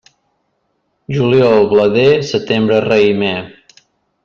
Juliol blader, setembre raïmer.